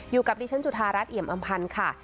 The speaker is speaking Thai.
อยู่กับพี่ชั้นจุธารัฐอิยมอามภัณก์ค่ะ